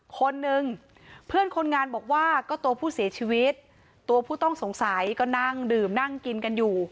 คนหนึ่งเพื่อนคนงานบอกว่าก็ตัวผู้เสียชีวิตตัวผู้ต้องสงสัยก็นั่งดื่มนั่งกินกันอยู่